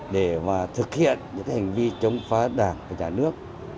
để mà thực hiện những cái hành vi chống phá đảng của nhà nước